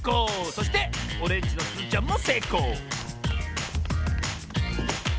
そしてオレンジのすずちゃんもせいこう！